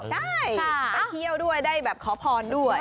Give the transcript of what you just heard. ก็ไปเที่ยวด้วยได้ขอผ้อนด้วย